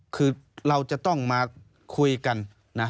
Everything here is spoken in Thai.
คือเราจะต้องมาคุยกันนะ